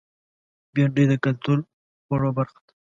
بېنډۍ د کلتور خوړو برخه ده